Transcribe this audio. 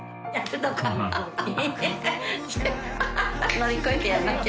乗り越えてやらなきゃ。